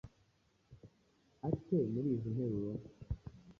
ate muri izi nteruro?